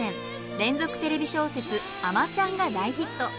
連続テレビ小説「あまちゃん」が大ヒット。